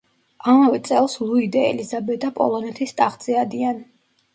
ამავე წელს ლუი და ელიზაბეტა პოლონეთის ტახტზე ადიან.